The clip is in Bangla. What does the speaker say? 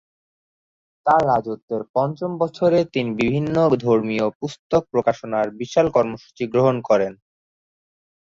তার রাজত্বের পঞ্চম বছরে তিনি বিভিন্ন ধর্মীয় পুস্তক প্রকাশনার বিশাল কর্মসূচী গ্রহণ করেন।